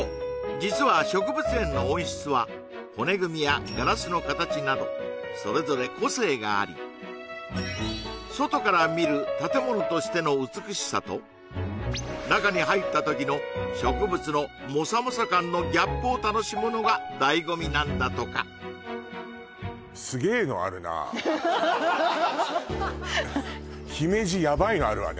実は植物園の温室は骨組みやガラスの形などそれぞれ個性があり外から見る建物としての美しさと中に入った時の植物のモサモサ感のギャップを楽しむのが醍醐味なんだとか姫路ヤバいのあるわね